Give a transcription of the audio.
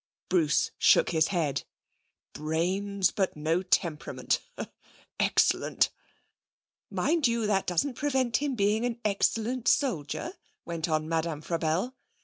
Bruce shook his head. 'Brains, but no temperament! Excellent!' 'Mind you, that doesn't prevent him being an excellent soldier,' went on Madame Frabelle.